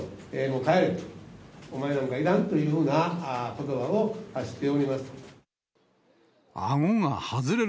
もう帰れ、お前なんかいらんというようなことばを発しております。